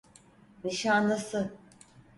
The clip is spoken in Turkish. Nişanlısı.